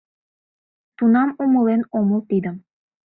Тунам умылен омыл тидым.